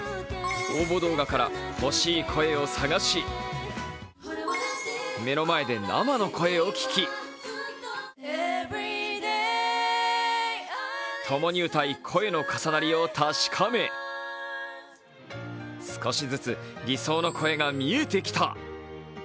応募動画から欲しい声を探し目の前で生の声を聴き共に歌い、声の重なりを確かめ、少しずつ理想の声が見えてきた。